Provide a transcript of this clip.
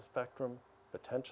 apakah itu menurut anda